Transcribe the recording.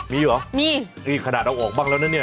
มีเหรอมีนี่ขนาดเอาออกบ้างแล้วนะเนี่ย